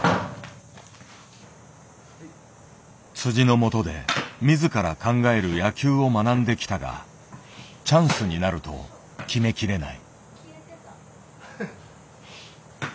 のもとで自ら考える野球を学んできたがチャンスになると決めきれない。